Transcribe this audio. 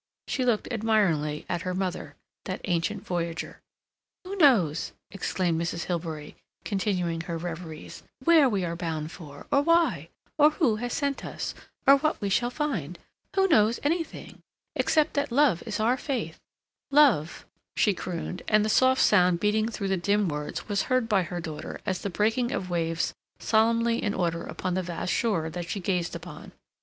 She looked admiringly at her mother, that ancient voyager. "Who knows," exclaimed Mrs. Hilbery, continuing her reveries, "where we are bound for, or why, or who has sent us, or what we shall find—who knows anything, except that love is our faith—love—" she crooned, and the soft sound beating through the dim words was heard by her daughter as the breaking of waves solemnly in order upon the vast shore that she gazed upon.